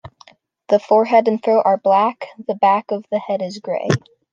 The forehead and throat are black; the back of the head is grey.